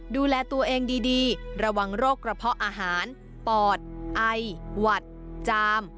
ดูแลตัวเองดีระวังโรคกระเพาะอาหารปอดไอหวัดจาม